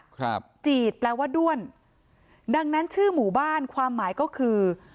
ครับจีดแปลว่าด้วนดังนั้นชื่อหมู่บ้านความหมายก็คือ